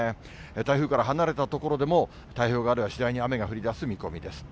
台風から離れた所でも、太平洋側では次第に雨が降りだす見込みです。